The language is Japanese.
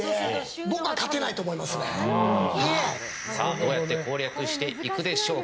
どうやって攻略していくでしょうか。